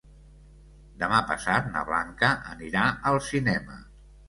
Demà passat na Blanca anirà al cinema.